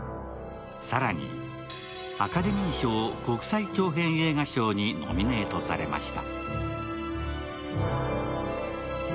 更に、アカデミー賞国際長編映画賞にノミネートされました。